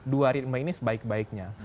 dua ritme ini sebaik baiknya